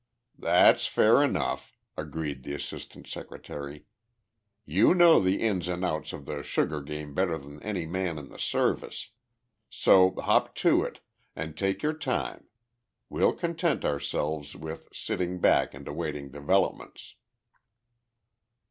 "That's fair enough," agreed the Assistant Secretary. "You know the ins and outs of the sugar game better than any man in the service. So hop to it and take your time. We'll content ourselves with sitting back and awaiting developments."